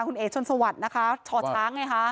คุณเอ๋ชนสวัสดิ์นะคะช่อช้างไงคะ